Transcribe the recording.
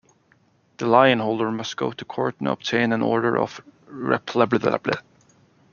The lienholder must go to court and obtain an order of replevin.